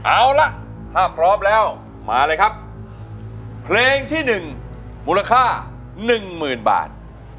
เอาล่ะถ้าพร้อมแล้วมาเลยครับเพลงที่๑มูลค่า๑๐๐๐บาท